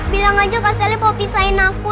bilang aja kak selnya mau pisahin aku